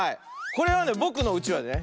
これはねぼくのうちわでね